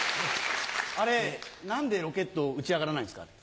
あれ何でロケット打ち上がらないんですか？